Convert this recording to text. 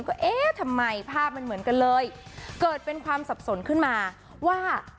ก็เอ๊ะทำไมภาพมันเหมือนกันเลยเกิดเป็นความสับสนขึ้นมาว่า